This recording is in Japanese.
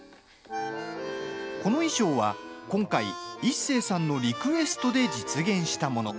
この衣装は今回、一生さんのリクエストで実現したもの。